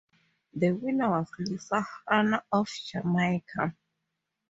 The winner was Lisa Hanna of Jamaica.